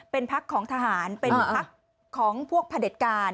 เป็นพักของทหารเป็นพักของพวกพระเด็จการ